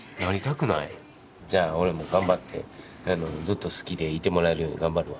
じゃあ俺も頑張ってずっと好きでいてもらえるように頑張るわ。